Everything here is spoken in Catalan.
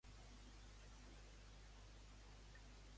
El grup d'amics els van a ajudar?